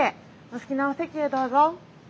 お好きなお席へどうぞ。